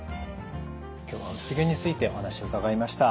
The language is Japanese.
今日は薄毛についてお話を伺いました。